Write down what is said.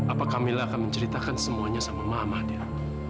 apakah mila akan menceritakan semuanya sama mama dia